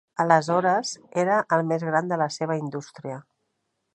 Aleshores, era el més gran de la seva indústria.